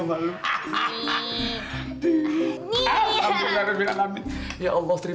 eh udah lagi